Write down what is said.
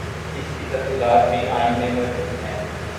اس کی تفصیلات بھی آئین میں موجود ہیں۔